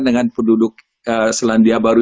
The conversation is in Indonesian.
dengan penduduk selandia baru